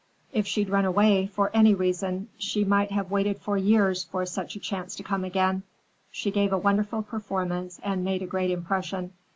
If she'd run away, for any reason, she might have waited years for such a chance to come again. She gave a wonderful performance and made a great impression.